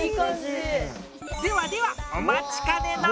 ではではお待ちかねの。